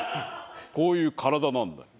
こういう体なんだよ。